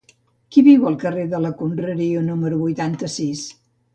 Qui viu al carrer de la Conreria número vint-i-sis?